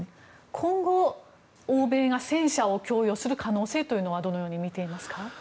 今後、欧米が戦車を供与する可能性というのはどのように見ていますか？